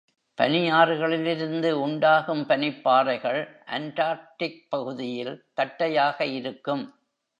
பனியாறுகளிலிருந்து உண்டாகும் பனிப்பாறைகள் அண்டார்க்டிக் பகுதியில் தட்டையாக இருக்கும்.